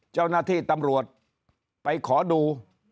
เจ้าหน้าที่ตำรวจไปขอดู